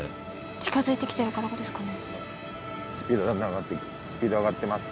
近づいてきてるからですかね。